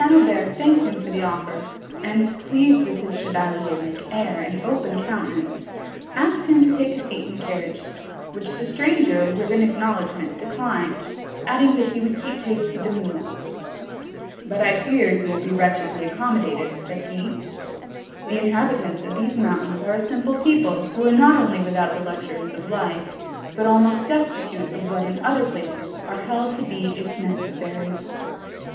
Aubert thanked him for the offer, and, pleased with his chevalier like air and open countenance, asked him to take a seat in the carriage; which the stranger, with an acknowledgment, declined, adding that he would keep pace with the mules. "But I fear you will be wretchedly accommodated," said he: "the inhabitants of these mountains are a simple people, who are not only without the luxuries of life, but almost destitute of what in other places are held to be its necessaries."